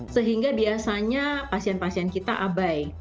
sehingga biasanya pasien pasien kita abai